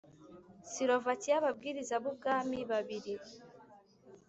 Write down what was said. Silovakiya Ababwiriza b Ubwami babiri